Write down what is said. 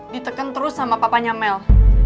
ditekan terus sama papanya mel